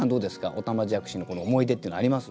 おたまじゃくしの思い出っていうのあります？